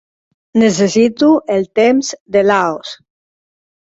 Necessito el temps de Laos